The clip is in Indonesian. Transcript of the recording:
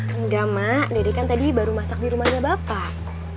enggak mak diri kan tadi baru masak di rumahnya bapak